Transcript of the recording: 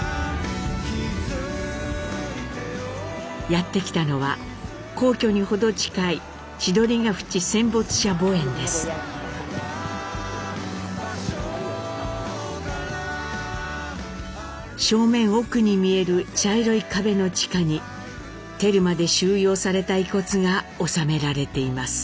やって来たのは皇居にほど近い正面奥に見える茶色い壁の地下にテルマで収容された遺骨が納められています。